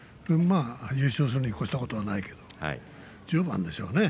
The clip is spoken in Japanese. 優勝するにこしたことはないけど１０番でしょうね。